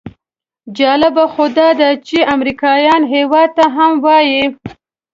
جالبه خو داده چې امریکایان هېواد ته هم وایي.